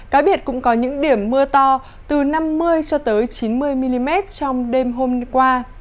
cái biệt cũng có những điểm mưa to từ năm mươi cho tới chín mươi mm trong đêm hôm qua